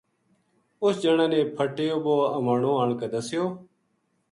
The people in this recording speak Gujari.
اُس جنا نے پھٹیو بو ہوانو آن کے دسیو